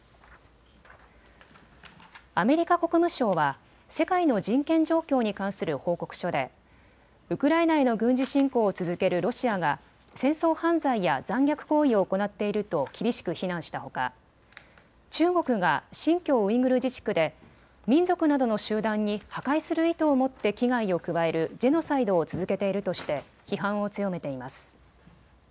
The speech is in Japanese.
アメリカ国務省は世界の人権状況に関する報告書でウクライナへの軍事侵攻を続けるロシアが戦争犯罪や残虐行為を行っていると厳しく非難したほか、中国が新疆ウイグル自治区で民族などの集団に破壊する意図を持って危害を加えるジェノサイドを続けているとして批判を強めています。